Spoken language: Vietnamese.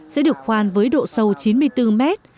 sẽ được khoan với độ sâu chín mươi bốn mét